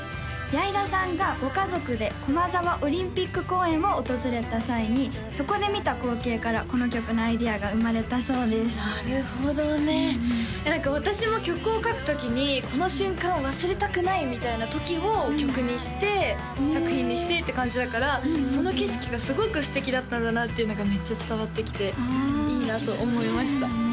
矢井田さんがご家族で駒沢オリンピック公園を訪れた際にそこで見た光景からこの曲のアイディアが生まれたそうですなるほどねいや何か私も曲を書く時にこの瞬間忘れたくないみたいな時を曲にして作品にしてって感じだからその景色がすごく素敵だったんだなっていうのがめっちゃ伝わってきていいなと思いました